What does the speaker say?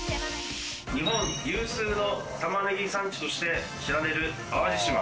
日本有数の玉ねぎ産地として知られる淡路島。